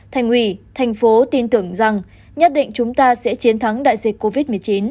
thành ủy thành phố tin tưởng rằng nhất định chúng ta sẽ chiến thắng đại dịch covid một mươi chín